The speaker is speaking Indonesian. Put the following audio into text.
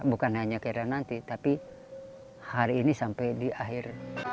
bukan hanya kira nanti tapi hari ini sampai di akhir